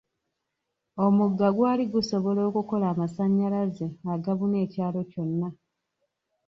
Omugga gwali gusobola okukola amasanyalaze agabuna ekyalo kyonna.